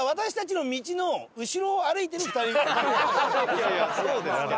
いやいやそうですけど。